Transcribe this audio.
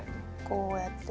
こうやって。